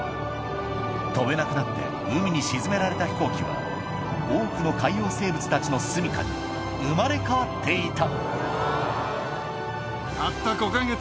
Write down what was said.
飛べなくなって海に沈められた飛行機は多くの海洋生物たちのすみかに生まれ変わっていた